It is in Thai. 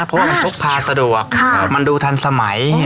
เพราะว่ามันพกพาสะดวกมันดูทันสมัย